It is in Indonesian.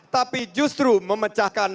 tapi justru memecahkan